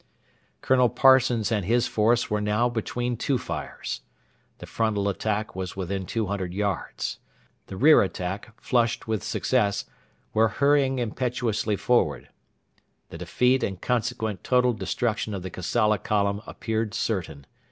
Colonel Parsons and his force were now between two fires. The frontal attack was within 200 yards. The rear attack, flushed with success, were hurrying impetuously forward. The defeat and consequent total destruction of the Kassala column appeared certain.